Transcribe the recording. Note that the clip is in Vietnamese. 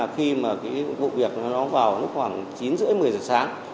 khi bộ việc vào khoảng chín h ba mươi một mươi h sáng